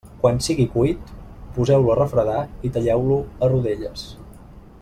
Quan sigui cuit, poseu-lo a refredar i talleu-lo a rodelles.